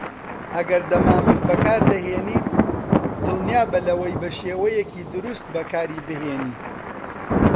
ئەگەر دەمامک بەکاردەهێنیت، دڵنیابە لەوەی بەشێوەیەکی دروست بەکاریبهێنیت.